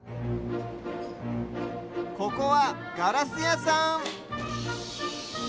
ここはガラスやさん